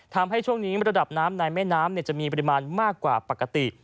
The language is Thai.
ทำให้ช่วงนี้ระดับน้ำในแม่น้ำจะมีปริมาณมากกว่าปกติ